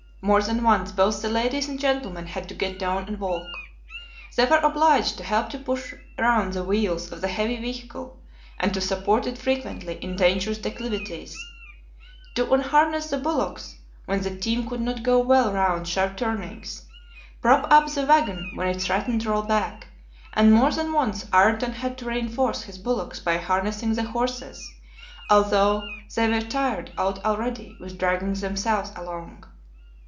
More than once both the ladies and gentlemen had to get down and walk. They were obliged to help to push round the wheels of the heavy vehicle, and to support it frequently in dangerous declivities, to unharness the bullocks when the team could not go well round sharp turnings, prop up the wagon when it threatened to roll back, and more than once Ayrton had to reinforce his bullocks by harnessing the horses, although they were tired out already with dragging themselves along.